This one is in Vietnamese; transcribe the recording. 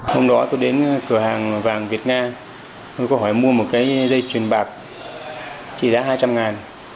hôm đó tôi đến cửa hàng vàng việt nga tôi có hỏi mua một cái dây chuyền bạc trị giá hai trăm linh ngàn